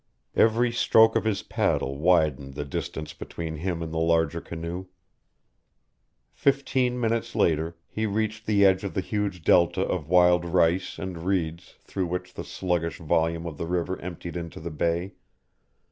Every stroke of his paddle widened the distant between him and the larger canoe. Fifteen minutes later he reached the edge of the huge delta of wild rice and reeds through which the sluggish volume of the river emptied into the Bay.